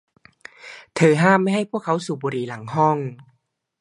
เธอห้ามไม่ให้พวกเขาสูบบุหรี่หลังห้อง